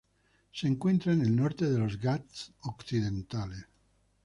Se encuentra en el norte de los Ghats occidentales.